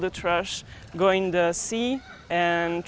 karena semua kemasan akan masuk ke laut